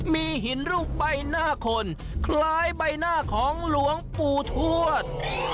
มีหินรูปใบหน้าคนคล้ายใบหน้าของหลวงปู่ทวด